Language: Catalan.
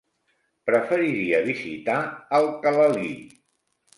Preferiria visitar Alcalalí.